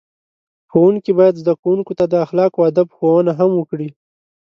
ښوونکي باید زده کوونکو ته د اخلاقو او ادب ښوونه هم وکړي.